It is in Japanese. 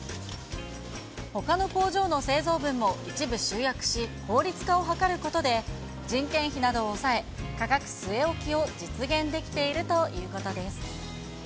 ほかの工場の製造分も一部集約し、効率化を図ることで、人件費などを抑え、価格据え置きを実現できているということです。